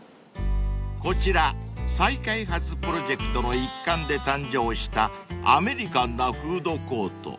［こちら再開発プロジェクトの一環で誕生したアメリカンなフードコート］